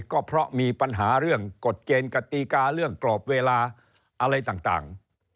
ก็เพราะมีปัญหาเรื่องกฎเกณฑ์กติกาเรื่องกรอบเวลาอะไรต่าง